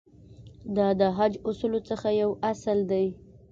دا د حج اصولو څخه یو اصل دی.